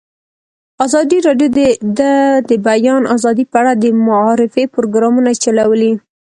ازادي راډیو د د بیان آزادي په اړه د معارفې پروګرامونه چلولي.